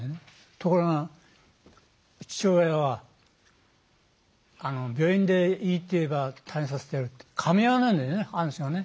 ところが父親は病院でいいって言えば退院させてやるってかみ合わないんだね、話がね。